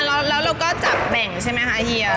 อ่าแล้วเราก็จับแบ่งใช่มั้ยคะเฮีย